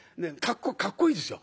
かっこいいですよ。